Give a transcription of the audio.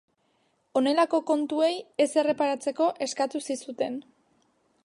Honelako kontuei ez erreparatzeko eskatu zizuten.